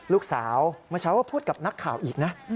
ลูกสาวเมื่อเช้าก็พูดกับนักข่าวอีกนะ